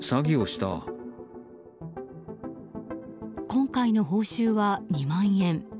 今回の報酬は２万円。